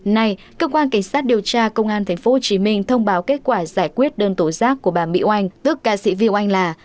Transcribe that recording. nay cơ quan cảnh sát điều tra công an tp hcm thông báo kết quả giải quyết đơn tố giác của bà mịu anh tức ca sĩ viêu anh là